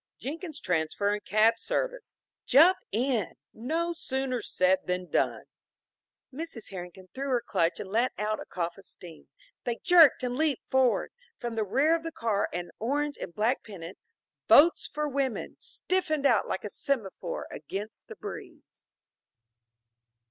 "Jenkins' Transfer and Cab Service." "Jump in." "No sooner said than done." Mrs. Herrington threw her clutch and let out a cough of steam. They jerked and leaped forward. From the rear of the car an orange and black pennant Votes for Women stiffened out like a semaphore against the breeze.